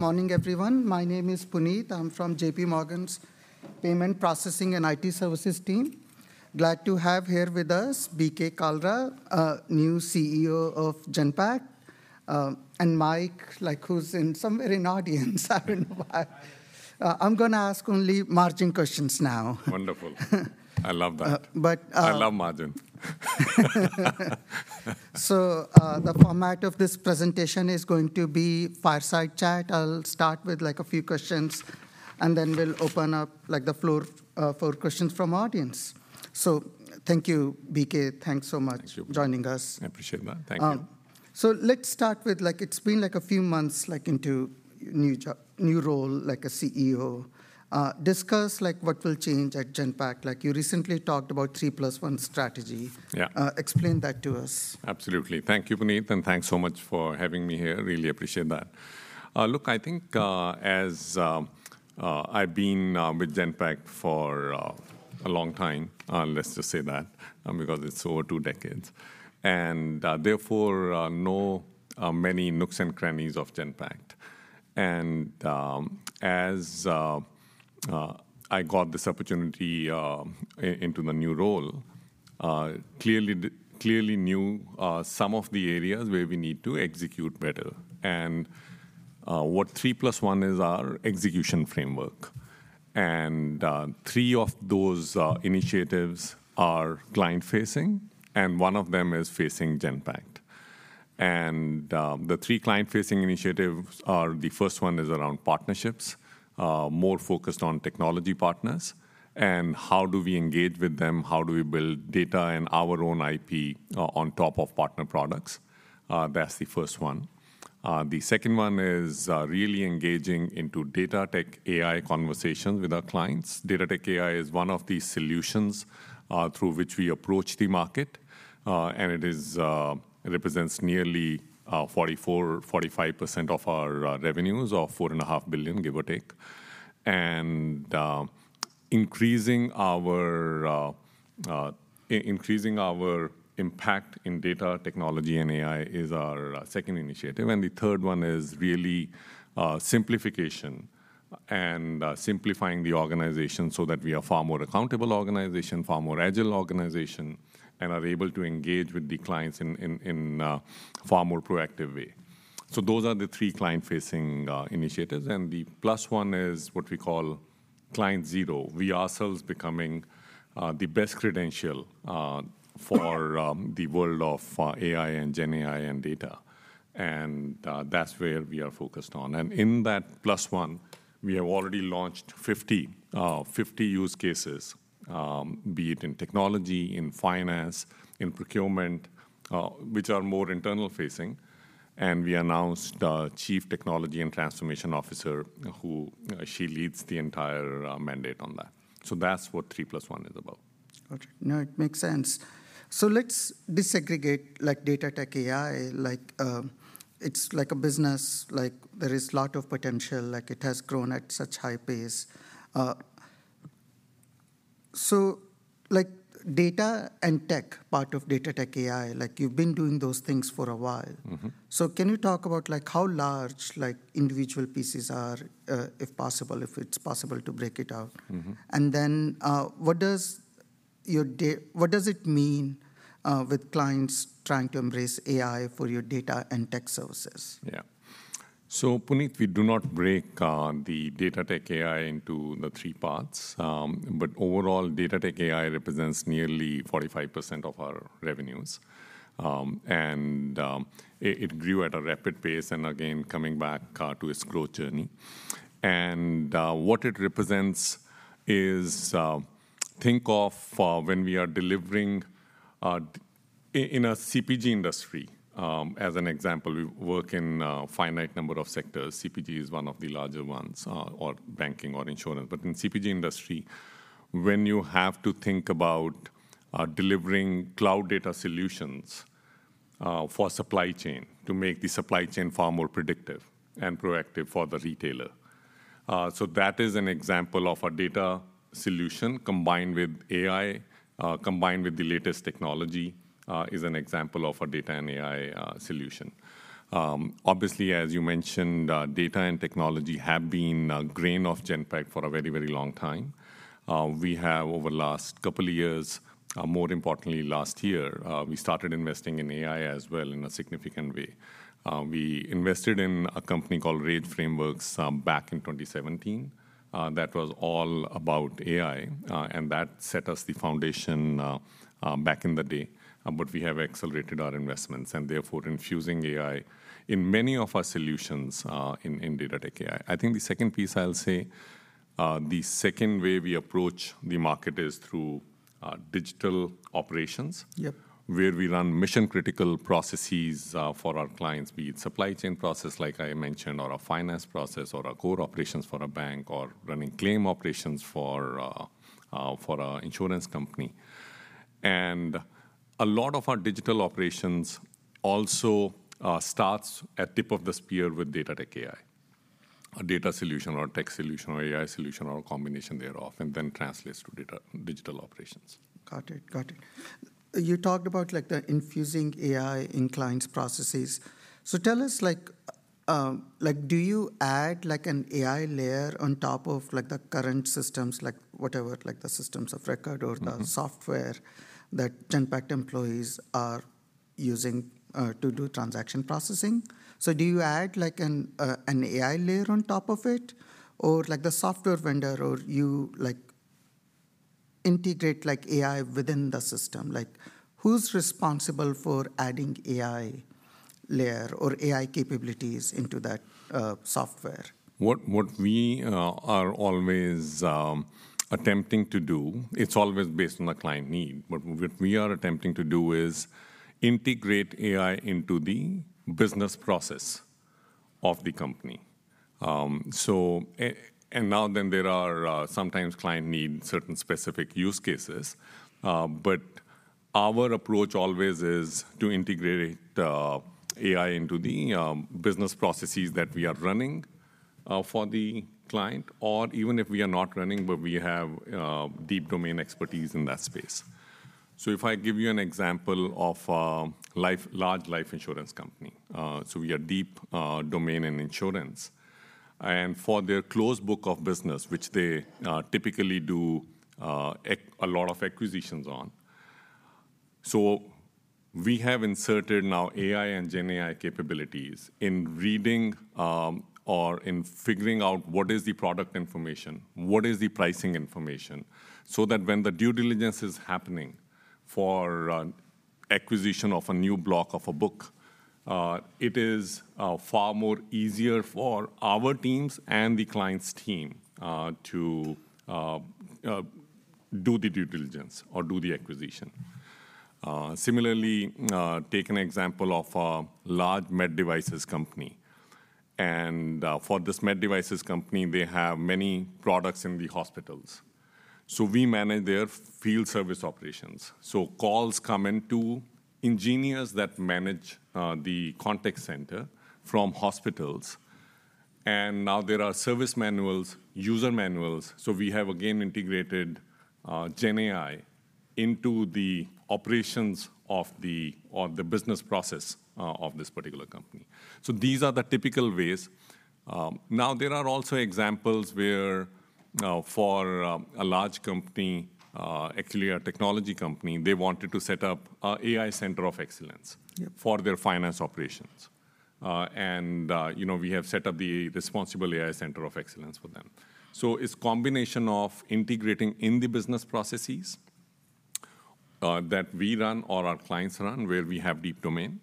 Morning, everyone. My name is Puneet. I'm from J.P. Morgan's payment processing and IT services team. Glad to have here with us, BK Kalra, new CEO of Genpact, and Mike, like, who's in somewhere in audience. I don't know why. I'm gonna ask only margin questions now. Wonderful. I love that. But, I love margin. So, the format of this presentation is going to be fireside chat. I'll start with, like, a few questions, and then we'll open up, like, the floor, for questions from audience. So thank you, BK. Thanks so much- Thanks... joining us. I appreciate that. Thank you. So, let's start with, like, it's been, like, a few months, like, into your new job, new role, like a CEO. Discuss, like, what will change at Genpact. Like, you recently talked about three plus one strategy. Yeah. Explain that to us. Absolutely. Thank you, Puneet, and thanks so much for having me here. Really appreciate that. Look, I think, as I've been with Genpact for a long time, let's just say that, because it's over two decades, and therefore know many nooks and crannies of Genpact. And as I got this opportunity into the new role, clearly knew some of the areas where we need to execute better. And what three plus one is our execution framework, and three of those initiatives are client-facing, and one of them is facing Genpact. The three client-facing initiatives are: the first one is around partnerships, more focused on technology partners and how do we engage with them, how do we build data and our own IP on top of partner products. That's the first one. The second one is really engaging into Data-Tech-AI conversations with our clients. Data-Tech-AI is one of the solutions through which we approach the market, and it is—it represents nearly 44%-45% of our revenues, or $4,500,000,000, give or take. Increasing our impact in data technology and AI is our second initiative. The third one is really simplification, and simplifying the organization so that we are far more accountable organization, far more agile organization, and are able to engage with the clients in far more proactive way. So those are the three client-facing initiatives, and the plus one is what we call Client Zero. We ourselves becoming the best credential for the world of AI and GenAI and data, and that's where we are focused on. And in that plus one, we have already launched 50 use cases, be it in technology, in finance, in procurement, which are more internal facing, and we announced our Chief Technology and Transformation Officer, who she leads the entire mandate on that. So that's what three plus one is about. Gotcha. No, it makes sense. So let's disaggregate, like, Data Tech AI. Like, it's like a business. Like, there is a lot of potential. Like, it has grown at such high pace. So, like, data and tech, part of Data Tech AI, like, you've been doing those things for a while. Mm-hmm. Can you talk about, like, how large, like, individual pieces are, if possible, if it's possible to break it out? Mm-hmm. And then, what does it mean with clients trying to embrace AI for your data and tech services? Yeah. So, Puneet, we do not break the Data Tech AI into the three parts. But overall, Data Tech AI represents nearly 45% of our revenues. And, it grew at a rapid pace, and again, coming back to its growth journey. And, what it represents is, think of when we are delivering in a CPG industry, as an example, we work in a finite number of sectors. CPG is one of the larger ones, or banking or insurance. But in CPG industry, when you have to think about delivering cloud data solutions for supply chain, to make the supply chain far more predictive and proactive for the retailer, so that is an example of a data solution combined with AI, combined with the latest technology, is an example of a data and AI solution. Obviously, as you mentioned, data and technology have been ingrained in Genpact for a very, very long time. We have, over the last couple of years, more importantly, last year, we started investing in AI as well in a significant way. We invested in a company called Rage Frameworks back in 2017, that was all about AI, and that set us the foundation back in the day. But we have accelerated our investments and therefore infusing AI in many of our solutions in Data-Tech-AI. I think the second piece I'll say, the second way we approach the market is through digital operations- Yep... where we run mission-critical processes for our clients, be it supply chain process, like I mentioned, or a finance process, or a core operations for a bank, or running claim operations for an insurance company. And a lot of our digital operations also starts at tip of the spear with Data-Tech-AI, a data solution or a tech solution or AI solution, or a combination thereof, and then translates to digital operations. Got it. Got it... You talked about, like, the infusing AI in clients' processes. So tell us, like, like, do you add, like, an AI layer on top of, like, the current systems? Like, whatever, like, the systems of record or- Mm-hmm The software that Genpact employees are using to do transaction processing. So do you add, like, an AI layer on top of it, or, like, the software vendor or you, like, integrate, like, AI within the system? Like, who's responsible for adding AI layer or AI capabilities into that software? What we are always attempting to do, it's always based on the client need. But what we are attempting to do is integrate AI into the business process of the company. So there are sometimes client need certain specific use cases, but our approach always is to integrate AI into the business processes that we are running for the client, or even if we are not running, but we have deep domain expertise in that space. So if I give you an example of a large life insurance company, so we are deep domain in insurance. And for their closed book of business, which they typically do a lot of acquisitions on. So we have inserted now AI and GenAI capabilities in reading, or in figuring out what is the product information, what is the pricing information, so that when the due diligence is happening for acquisition of a new block of a book, it is far more easier for our teams and the client's team to do the due diligence or do the acquisition. Similarly, take an example of a large med devices company, and for this med devices company, they have many products in the hospitals, so we manage their field service operations. So calls come in to engineers that manage the contact center from hospitals, and now there are service manuals, user manuals, so we have again integrated GenAI into the operations of the business process of this particular company. These are the typical ways. Now, there are also examples where a large company, actually a technology company, they wanted to set up a AI center of excellence- Yeah... for their finance operations. And, you know, we have set up the Responsible AI Center of Excellence for them. So it's combination of integrating in the business processes that we run or our clients run, where we have deep domain,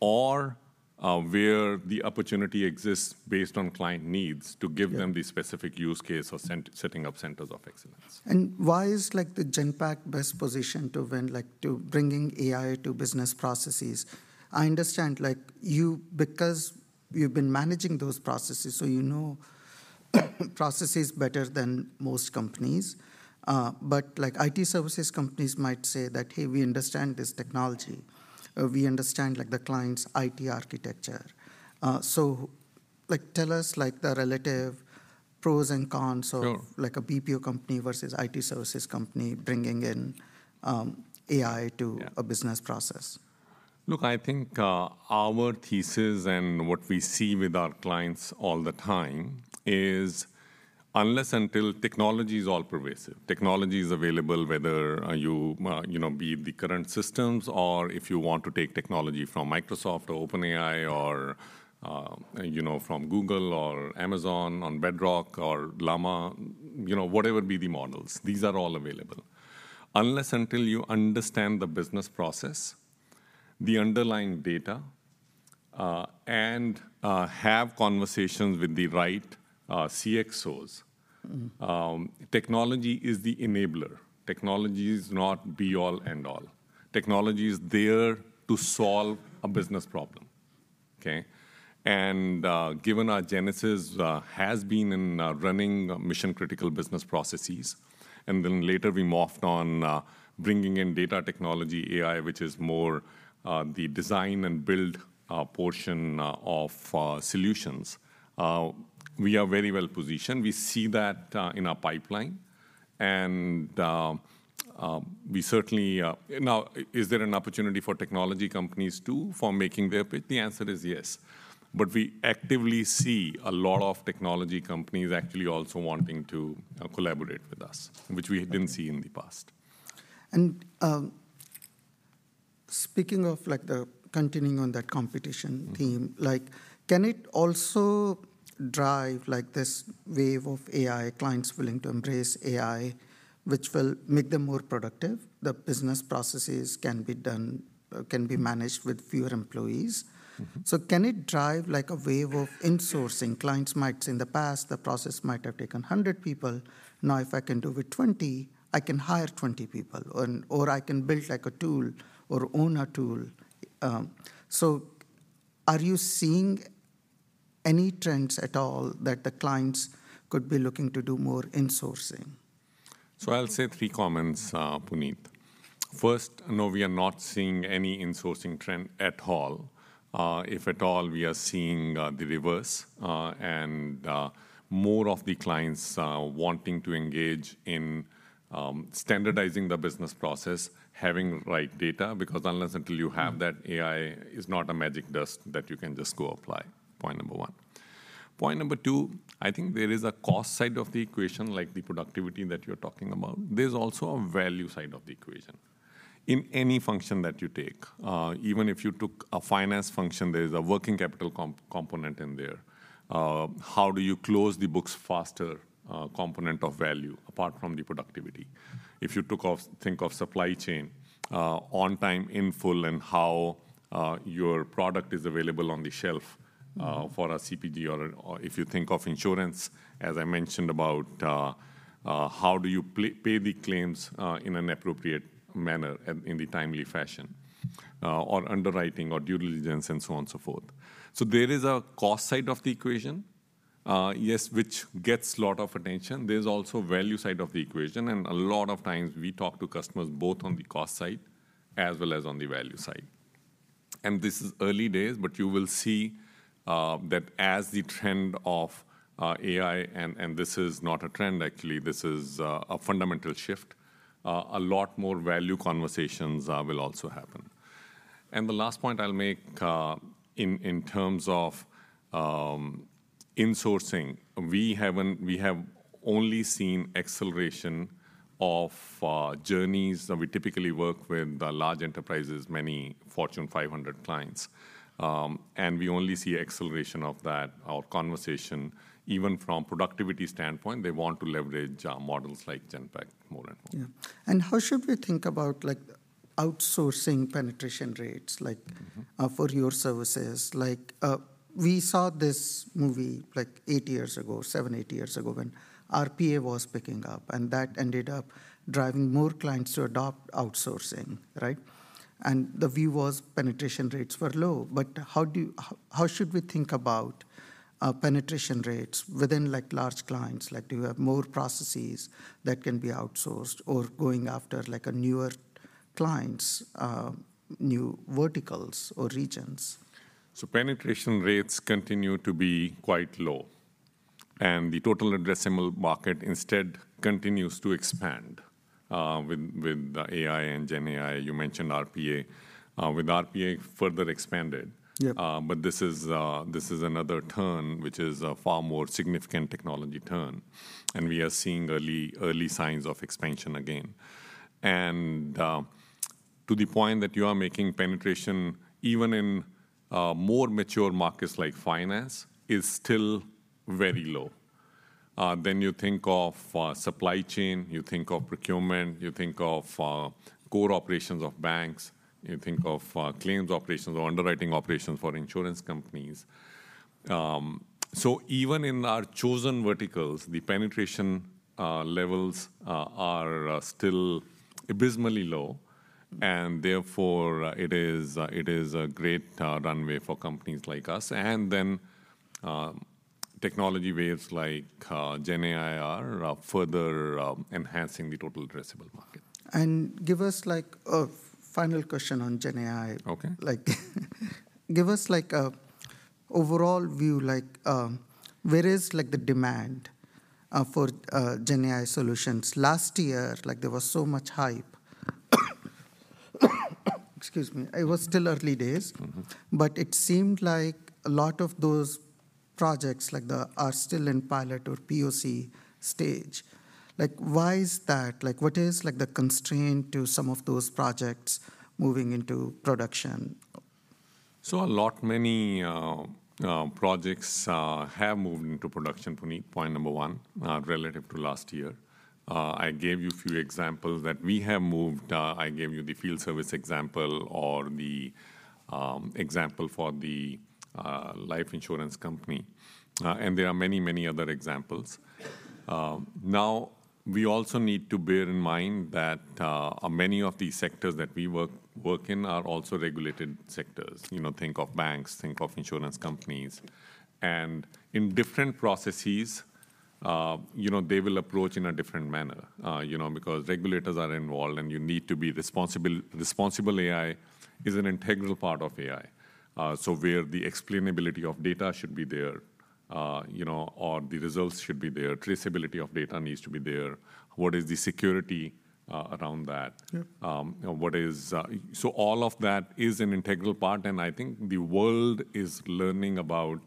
or where the opportunity exists based on client needs- Yeah -to give them the specific use case or center, setting up centers of excellence. Why is, like, Genpact best positioned to when, like, to bringing AI to business processes? I understand, like, you—because you've been managing those processes, so you know processes better than most companies. But, like, IT services companies might say that, "Hey, we understand this technology, we understand, like, the client's IT architecture." So, like, tell us, like, the relative pros and cons of- Sure -like a BPO company versus IT services company bringing in AI to- Yeah a business process. Look, I think, our thesis and what we see with our clients all the time is, unless until technology is all pervasive, technology is available, whether, you, you know, be it the current systems, or if you want to take technology from Microsoft or OpenAI or, you know, from Google or Amazon, on Bedrock or Llama, you know, whatever be the models, these are all available. Unless until you understand the business process, the underlying data, and, have conversations with the right, CXOs- Mm-hmm... technology is the enabler. Technology is not be all, end all. Technology is there to solve a business problem, okay? And, given our genesis has been in running mission-critical business processes, and then later we morphed on bringing in data technology, AI, which is more the design and build portion of solutions, we are very well positioned. We see that in our pipeline, and we certainly... Now, is there an opportunity for technology companies, too, for making their pitch? The answer is yes. But we actively see a lot of technology companies actually also wanting to collaborate with us, which we didn't see in the past. Speaking of, like, the continuing on that competition theme- Mm-hmm... like, can it also drive, like, this wave of AI, clients willing to embrace AI, which will make them more productive? The business processes can be done, can be managed with fewer employees. Mm-hmm. So can it drive, like, a wave of insourcing? Clients might, in the past, the process might have taken 100 people, now, if I can do with 20, I can hire 20 people, or, or I can build, like, a tool or own a tool. So are you seeing any trends at all that the clients could be looking to do more insourcing?... So I'll say three comments, Puneet. First, no, we are not seeing any insourcing trend at all. If at all, we are seeing the reverse, and more of the clients wanting to engage in standardizing the business process, having the right data, because unless until you have that, AI is not a magic dust that you can just go apply. Point number one. Point number two, I think there is a cost side of the equation, like the productivity that you're talking about. There's also a value side of the equation. In any function that you take, even if you took a finance function, there is a working capital component in there. How do you close the books faster, component of value, apart from the productivity? If you took off, think of supply chain, on time, in full, and how your product is available on the shelf for a CPG or if you think of insurance, as I mentioned, about how do you pay the claims in an appropriate manner and in a timely fashion? Or underwriting or due diligence, and so on and so forth. So there is a cost side of the equation, yes, which gets a lot of attention. There's also a value side of the equation, and a lot of times we talk to customers both on the cost side as well as on the value side. This is early days, but you will see that as the trend of AI, and this is not a trend, actually, this is a fundamental shift, a lot more value conversations will also happen. The last point I'll make, in terms of insourcing, we have only seen acceleration of journeys. We typically work with the large enterprises, many Fortune 500 clients, and we only see acceleration of that, of conversation. Even from productivity standpoint, they want to leverage models like Genpact more and more. Yeah. And how should we think about, like, outsourcing penetration rates, like- Mm-hmm... for your services? Like, we saw this movie like 8 years ago, 7, 8 years ago, when RPA was picking up, and that ended up driving more clients to adopt outsourcing, right? And the view was penetration rates were low, but how should we think about, penetration rates within, like, large clients? Like, do you have more processes that can be outsourced or going after, like, a newer clients, new verticals or regions? So penetration rates continue to be quite low, and the total addressable market instead continues to expand, with, with AI and GenAI. You mentioned RPA. With RPA, further expanded. Yeah. But this is another turn, which is a far more significant technology turn, and we are seeing early, early signs of expansion again. To the point that you are making, penetration, even in more mature markets like finance, is still very low. Then you think of supply chain, you think of procurement, you think of core operations of banks, you think of claims operations or underwriting operations for insurance companies. So even in our chosen verticals, the penetration levels are still abysmally low, and therefore, it is a great runway for companies like us. And then, technology waves like GenAI are further enhancing the total addressable market. Give us, like... final question on GenAI? Okay. Like, give us, like, a overall view, like, where is, like, the demand for GenAI solutions? Last year, like, there was so much hype. Excuse me. It was still early days- Mm-hmm... but it seemed like a lot of those projects, like, are still in pilot or POC stage. Like, why is that? Like, what is, like, the constraint to some of those projects moving into production? So a lot, many, projects have moved into production, Puneet, point number one, relative to last year. I gave you a few examples that we have moved. I gave you the field service example or the example for the life insurance company, and there are many, many other examples. Now, we also need to bear in mind that many of these sectors that we work in are also regulated sectors. You know, think of banks, think of insurance companies. And in different processes, you know, they will approach in a different manner, you know, because regulators are involved, and you need to be responsible. Responsible AI is an integral part of AI. So where the explainability of data should be there, you know, or the results should be there, traceability of data needs to be there. What is the security around that? Yeah. So all of that is an integral part, and I think the world is learning about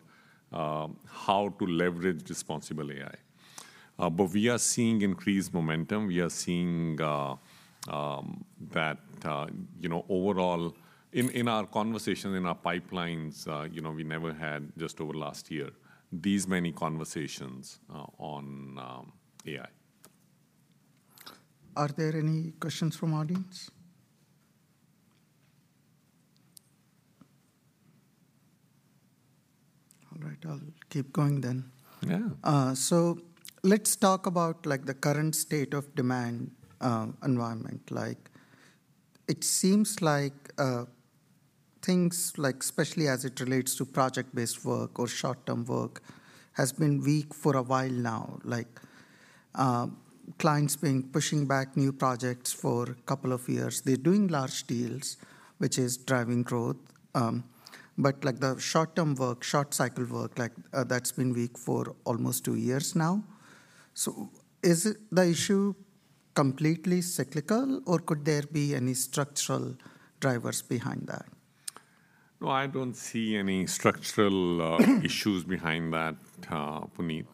how to leverage responsible AI. But we are seeing increased momentum. We are seeing that, you know, overall, in our conversation, in our pipelines, you know, we never had, just over last year, these many conversations on AI. Are there any questions from audience? All right, I'll keep going then. Yeah. So let's talk about, like, the current state of demand environment. Like, it seems like, things like, especially as it relates to project-based work or short-term work, has been weak for a while now. Like, clients been pushing back new projects for a couple of years. They're doing large deals, which is driving growth, but like the short-term work, short cycle work, like, that's been weak for almost two years now. So is it the issue completely cyclical, or could there be any structural drivers behind that? No, I don't see any structural issues behind that, Puneet.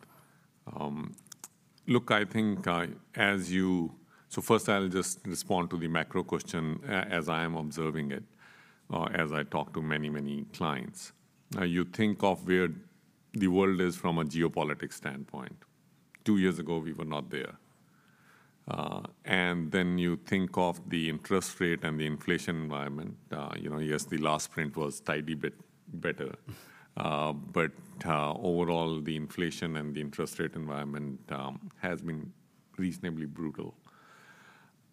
Look, I think, so first, I'll just respond to the macro question as I am observing it, as I talk to many, many clients. Now, you think of where the world is from a geopolitics standpoint. Two years ago, we were not there. And then you think of the interest rate and the inflation environment. You know, yes, the last print was a tidy bit better. But overall, the inflation and the interest rate environment has been reasonably brutal.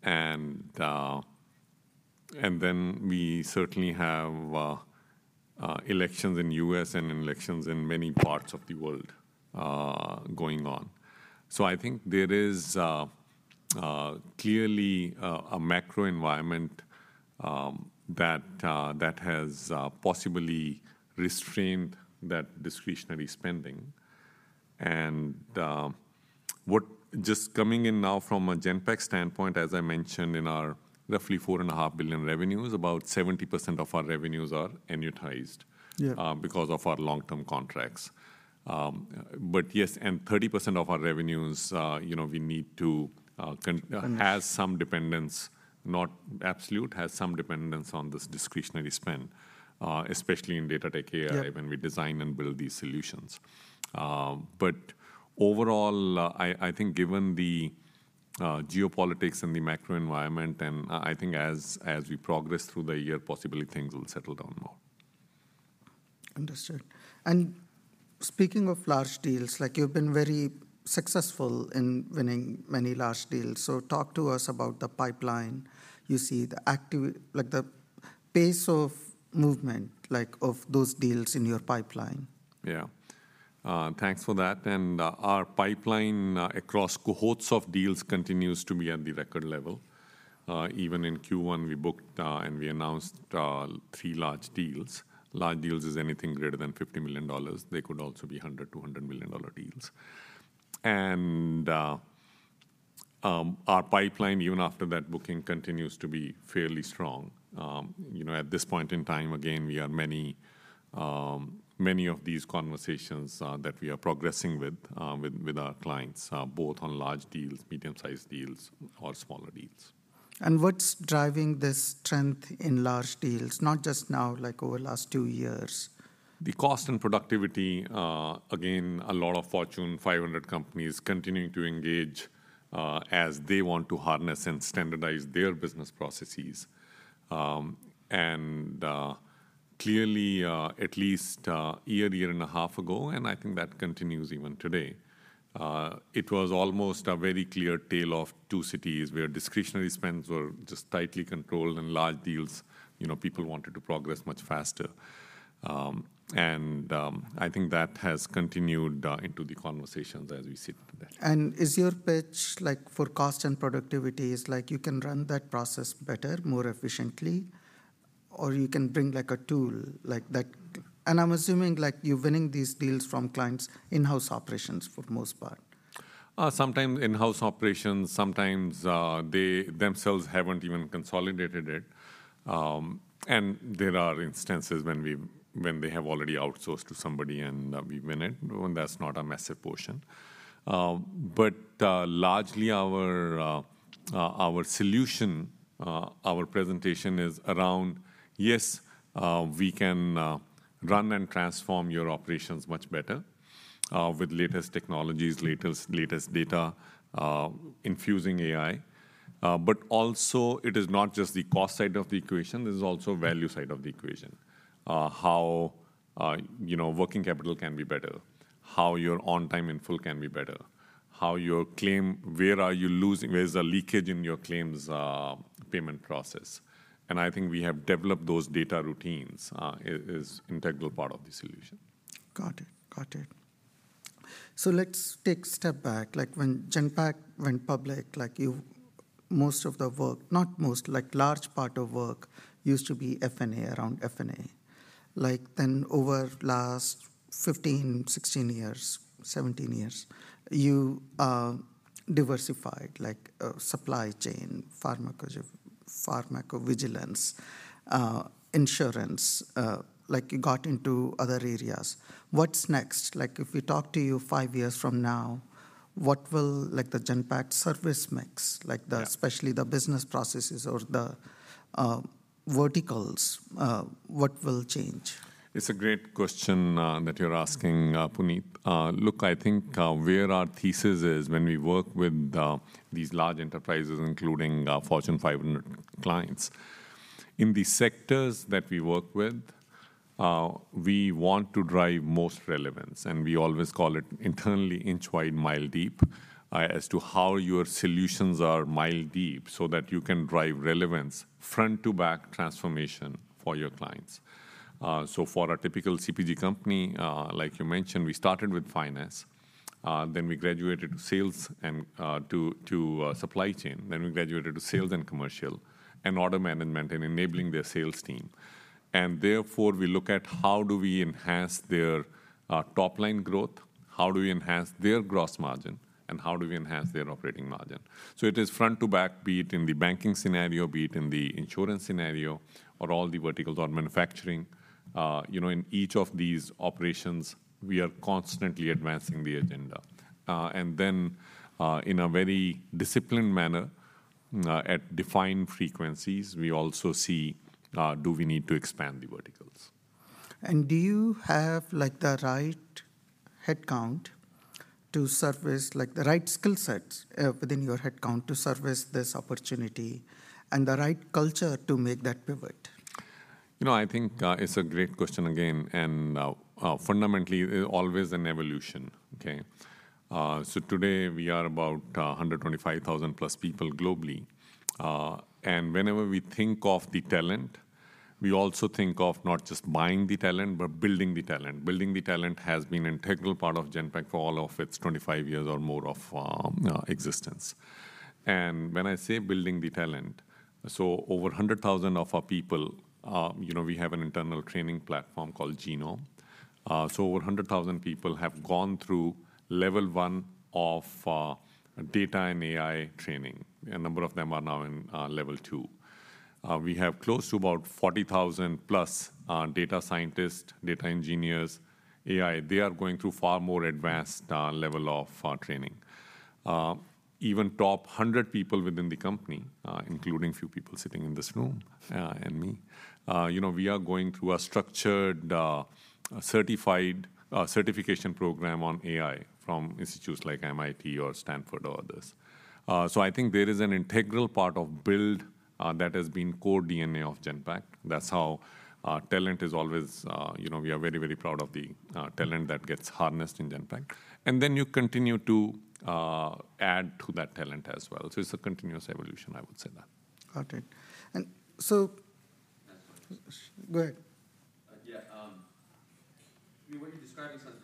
And then we certainly have elections in the U.S. and elections in many parts of the world going on. So I think there is clearly a macro environment that has possibly restrained that discretionary spending. Just coming in now from a Genpact standpoint, as I mentioned, in our roughly $4,500,000,000 revenues, about 70% of our revenues are annuitized- Yeah... because of our long-term contracts. But yes, and 30% of our revenues, you know, we need to con- Mm-hmm has some dependence, not absolute, has some dependence on this discretionary spend, especially in Data-Tech-AI- Yeah - when we design and build these solutions. But overall, I think given the geopolitics and the macro environment, then I think as we progress through the year, possibly things will settle down more. Understood. Speaking of large deals, like you've been very successful in winning many large deals, so talk to us about the pipeline. You see the activity—like the pace of movement, like of those deals in your pipeline. Yeah. Thanks for that. And, our pipeline, across cohorts of deals continues to be at the record level. Even in Q1, we booked, and we announced, 3 large deals. Large deals is anything greater than $50,000,000. They could also be $100,000,000, $200,000,000 dollar deals. And, our pipeline, even after that booking, continues to be fairly strong. You know, at this point in time, again, we are many... many of these conversations, that we are progressing with, with our clients, both on large deals, medium-sized deals, or smaller deals. What's driving this strength in large deals? Not just now, like over the last two years. The cost and productivity, again, a lot of Fortune 500 companies continuing to engage, as they want to harness and standardize their business processes. Clearly, at least a year and a half ago, and I think that continues even today, it was almost a very clear tale of two cities, where discretionary spends were just tightly controlled, and large deals, you know, people wanted to progress much faster. I think that has continued into the conversations as we sit today. Is your pitch, like for cost and productivity, is like you can run that process better, more efficiently, or you can bring like a tool like that... I'm assuming, like, you're winning these deals from clients' in-house operations for the most part. Sometimes in-house operations, sometimes, they themselves haven't even consolidated it. And there are instances when we've, when they have already outsourced to somebody, and, we win it, when that's not a massive portion. But, largely our, our solution, our presentation is around, yes, we can, run and transform your operations much better, with latest technologies, latest, latest data, infusing AI. But also it is not just the cost side of the equation, it is also value side of the equation. How, you know, working capital can be better, how your on time in full can be better, how your claim, where are you losing? Where's the leakage in your claims, payment process? And I think we have developed those data routines, is, is integral part of the solution. Got it. Got it. So let's take a step back. Like, when Genpact went public, like you, most of the work, not most, like large part of work used to be F&A, around F&A. Like then over last 15, 16 years, 17 years, you diversified, like, supply chain, pharmacovigilance, insurance, like you got into other areas. What's next? Like, if we talk to you 5 years from now, what will... like the Genpact service mix, like the- Yeah... especially the business processes or the, verticals, what will change? It's a great question that you're asking, Puneet. Look, I think where our thesis is when we work with these large enterprises, including Fortune 500 clients, in the sectors that we work with, we want to drive most relevance, and we always call it internally inch wide, mile deep as to how your solutions are mile deep so that you can drive relevance, front to back transformation for your clients. So for a typical CPG company, like you mentioned, we started with finance, then we graduated to sales and to supply chain. Then we graduated to sales and commercial and order management and enabling their sales team. And therefore, we look at how do we enhance their top line growth? How do we enhance their gross margin, and how do we enhance their operating margin? So it is front to back, be it in the banking scenario, be it in the insurance scenario or all the verticals on manufacturing. You know, in each of these operations, we are constantly advancing the agenda. And then, in a very disciplined manner, at defined frequencies, we also see, do we need to expand the verticals? Do you have, like, the right headcount to service—like, the right skill sets within your headcount to service this opportunity, and the right culture to make that pivot? You know, I think it's a great question again, and fundamentally, always an evolution, okay? So today we are about 125,000+ people globally. And whenever we think of the talent, we also think of not just buying the talent but building the talent. Building the talent has been integral part of Genpact for all of its 25 years or more of existence. And when I say building the talent, so over 100,000 of our people, you know, we have an internal training platform called Genome. So over 100,000 people have gone through level one of data and AI training, a number of them are now in level two. We have close to about 40,000+ data scientists, data engineers, AI. They are going through far more advanced level of training. Even top 100 people within the company, including a few people sitting in this room, and me, you know, we are going through a structured, certified, certification program on AI from institutes like MIT or Stanford or others. So I think there is an integral part of build that has been core DNA of Genpact. That's how talent is always... You know, we are very, very proud of the talent that gets harnessed in Genpact. And then you continue to add to that talent as well. So it's a continuous evolution, I would say that. Got it. And so- Next question. Go ahead. Yeah, I mean, what you're describing sounds really compelling, right?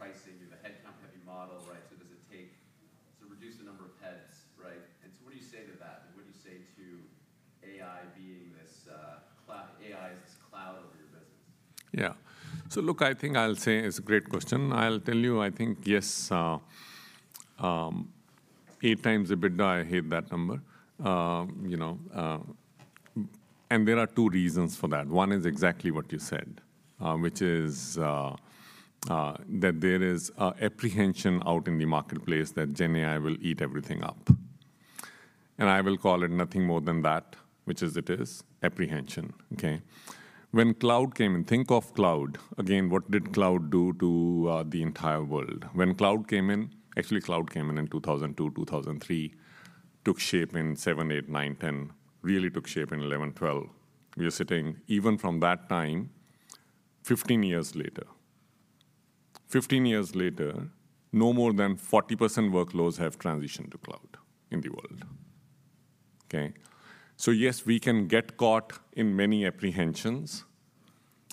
You have a big opportunity, very little outsource penetration. At the same time, you trade at, like, 8 times EBITDA, right, and I think part of the reason for that is the fear that AI is a big negative for pricing. You have a headcount-heavy model, right? So does it take to reduce the number of heads, right? And so what do you say to that, and what do you say to AI being this cloud, AI as this cloud over your business? Yeah. So look, I think I'll say it's a great question. I'll tell you, I think yes, 8x EBITDA, I hate that number. You know, and there are two reasons for that. One is exactly what you said, which is, that there is, apprehension out in the marketplace that Gen AI will eat everything up. And I will call it nothing more than that, which is, it is apprehension, okay? When cloud came in, think of cloud. Again, what did cloud do to, the entire world? When cloud came in. Actually, cloud came in in 2002, 2003, took shape in 7, 8, 9, 10. Really took shape in 11, 12. We are sitting, even from that time, 15 years later. 15 years later, no more than 40% of workloads have transitioned to cloud in the world, okay? So yes, we can get caught in many apprehensions.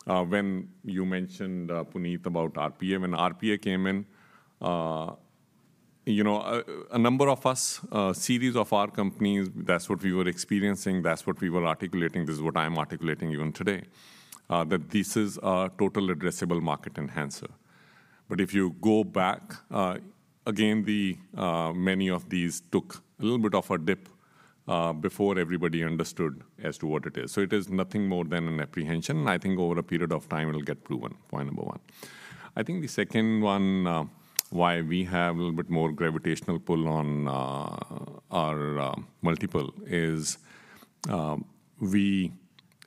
When you mentioned, Puneet, about RPA, when RPA came in, you know, a number of us, series of our companies, that's what we were experiencing, that's what we were articulating, this is what I'm articulating even today. That this is a total addressable market enhancer. But if you go back, again, the many of these took a little bit of a dip before everybody understood as to what it is. So it is nothing more than an apprehension, and I think over a period of time, it'll get proven, point number one. I think the second one, why we have a little bit more gravitational pull on our multiple is,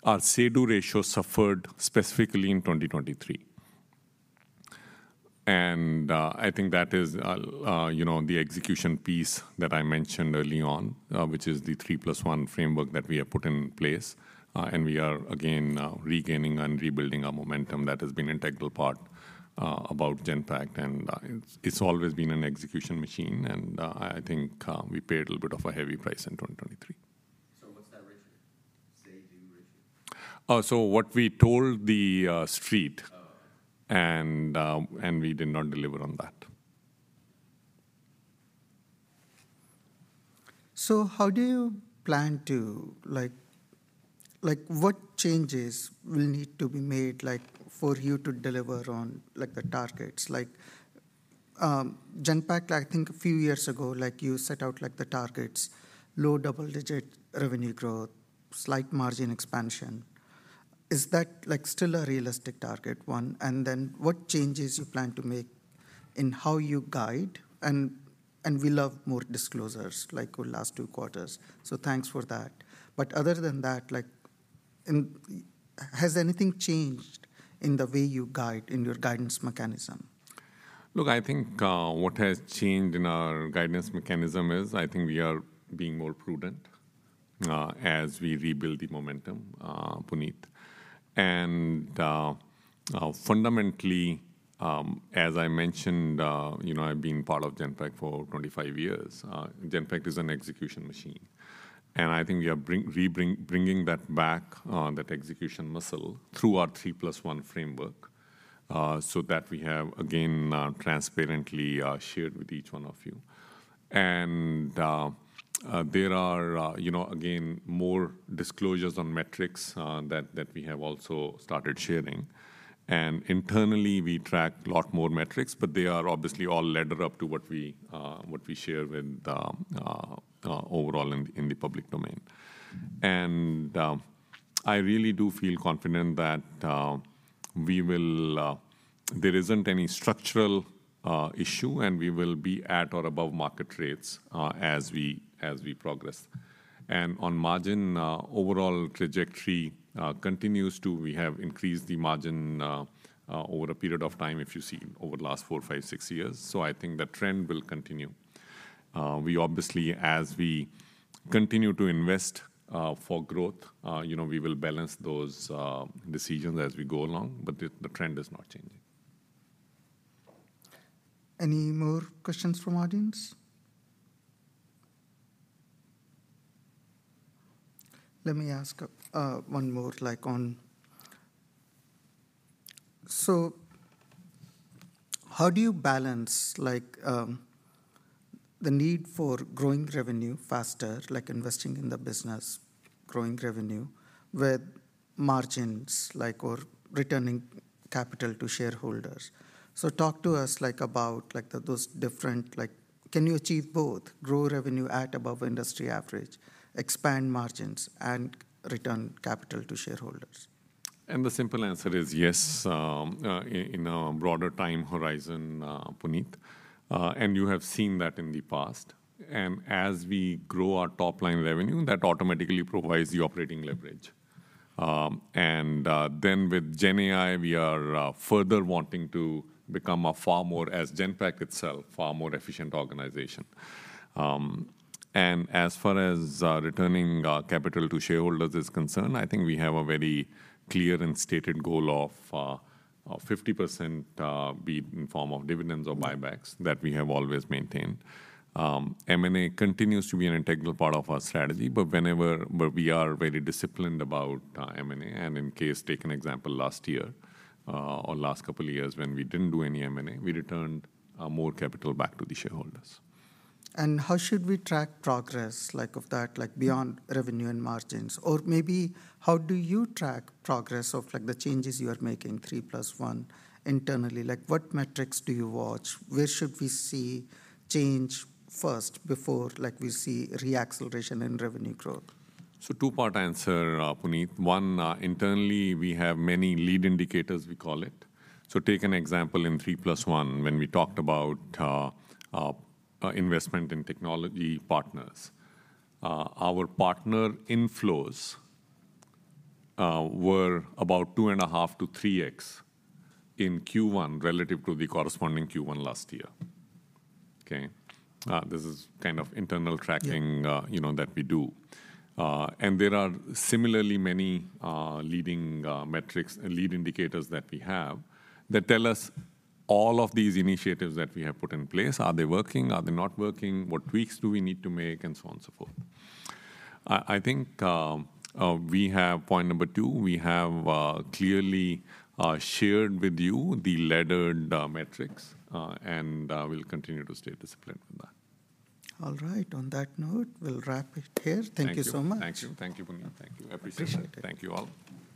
our say-do ratio suffered specifically in 2023. And, I think that is, you know, the execution piece that I mentioned early on, which is the 3+1 framework that we have put in place. And we are, again, regaining and rebuilding our momentum that has been integral part about Genpact, and, it's, it's always been an execution machine, and, I think, we paid a little bit of a heavy price in 2023. What's that ratio? Say-do ratio. what we told the street- Oh. and we did not deliver on that. So how do you plan to like... Like, what changes will need to be made, like, for you to deliver on, like, the targets? Like, Genpact, I think a few years ago, like, you set out, like, the targets, low double-digit revenue growth, slight margin expansion. Is that, like, still a realistic target, one? And then what changes you plan to make in how you guide? And, and we love more disclosures, like your last two quarters, so thanks for that. But other than that, like-... and has anything changed in the way you guide in your guidance mechanism? Look, I think what has changed in our guidance mechanism is I think we are being more prudent as we rebuild the momentum, Puneet. And fundamentally, as I mentioned, you know, I've been part of Genpact for 25 years. Genpact is an execution machine, and I think we are bringing that back, that execution muscle through our 3+1 framework, so that we have again transparently shared with each one of you. And there are, you know, again, more disclosures on metrics that we have also started sharing. And internally, we track a lot more metrics, but they are obviously all laddered up to what we share with the overall in the public domain. I really do feel confident that we will. There isn't any structural issue, and we will be at or above market rates as we progress. And on margin overall trajectory continues. We have increased the margin over a period of time, if you see over the last four, five, six years. So I think that trend will continue. We obviously, as we continue to invest for growth, you know, we will balance those decisions as we go along, but the trend is not changing. Any more questions from audience? Let me ask one more, like, on... So how do you balance, like, the need for growing revenue faster, like investing in the business, growing revenue, with margins, like, or returning capital to shareholders? So talk to us, like, about, like, those different, like... Can you achieve both, grow revenue at above industry average, expand margins, and return capital to shareholders? The simple answer is yes, in a broader time horizon, Puneet, and you have seen that in the past. As we grow our top-line revenue, that automatically provides the operating leverage. Then with GenAI, we are further wanting to become a far more, as Genpact itself, far more efficient organization. And as far as returning capital to shareholders is concerned, I think we have a very clear and stated goal of 50% be in form of dividends or buybacks that we have always maintained. M&A continues to be an integral part of our strategy, but whenever... But we are very disciplined about M&A. In case, take an example, last year or last couple of years, when we didn't do any M&A, we returned more capital back to the shareholders. How should we track progress, like, of that, like, beyond revenue and margins? Or maybe how do you track progress of, like, the changes you are making, 3+1, internally? Like, what metrics do you watch? Where should we see change first before, like, we see re-acceleration in revenue growth? So two-part answer, Puneet. One, internally, we have many lead indicators, we call it. So take an example in three plus one, when we talked about investment in technology partners. Our partner inflows were about 2.5-3X in Q1 relative to the corresponding Q1 last year. Okay? This is kind of internal tracking- Yeah... you know, that we do. And there are similarly many leading metrics and leading indicators that we have that tell us all of these initiatives that we have put in place, are they working? Are they not working? What tweaks do we need to make? And so on, so forth. I think we have point number two: we have clearly shared with you the laddered metrics, and we'll continue to stay disciplined with that. All right. On that note, we'll wrap it here. Thank you. Thank you so much. Thank you. Thank you, Puneet. Thank you. Appreciate it. Thank you. Thank you, all.